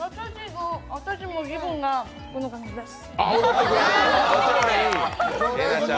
私も気分がこんな感じです。